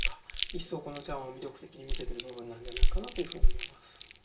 一層この茶碗を魅力的に見せている部分なんじゃないかなというふうに思います。